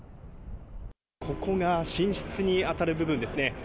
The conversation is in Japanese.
ここが寝室に当たる部分ですね。